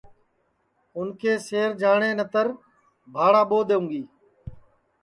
اُن کے شہر جاٹؔے نتر بھاڑا ٻو دؔونگی